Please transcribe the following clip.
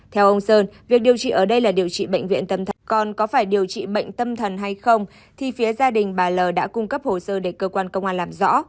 theo ông sơn việc điều trị ở đây là điều trị bệnh viện tâm con có phải điều trị bệnh tâm thần hay không thì phía gia đình bà l đã cung cấp hồ sơ để cơ quan công an làm rõ